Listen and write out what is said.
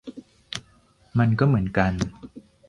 มันก็เหมือนกัน